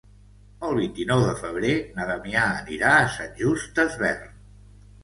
El vint-i-nou de febrer na Damià anirà a Sant Just Desvern.